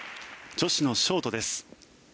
女子のショートです。